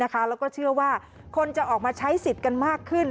แล้วก็เชื่อว่าคนจะออกมาใช้สิทธิ์กันมากขึ้น